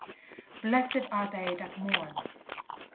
BLESSED ARE THEY THAT MOURN.